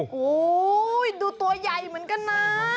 โอ้โหดูตัวใหญ่เหมือนกันนะ